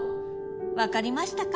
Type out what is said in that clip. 分かりましたか？